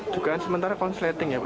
dugaan sementara konsleting ya bu